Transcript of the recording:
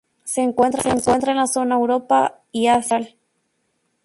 Se encuentra en la zona Europa y Asia central.